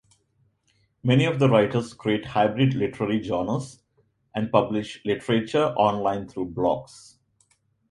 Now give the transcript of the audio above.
Many of the writers create hybrid literary genres and publish literature online through blogs.